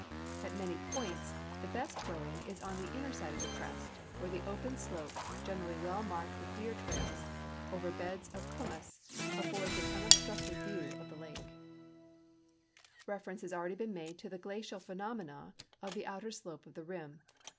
At many points the best going is on the inner side of the crest, where the open slope, generally well marked with deer trails over beds of pumice, affords an unob structed view of the lake. CRATER LAKE, OREGON 39 Reference lias already been made to the glacial phenomena of the outer slope of the rim.